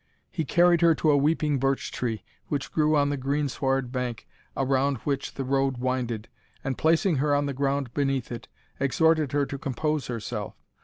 He carried her to a weeping birch tree, which grew on the green sward bank around which the road winded, and, placing her on the ground beneath it, exhorted her to compose herself.